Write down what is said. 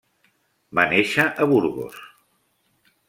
Va néixer a Burgos.